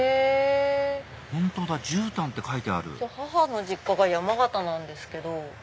本当だ絨毯って書いてある母の実家が山形なんですけど。